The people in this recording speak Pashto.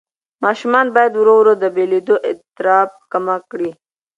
ماشوم باید ورو ورو د بېلېدو اضطراب کمه کړي.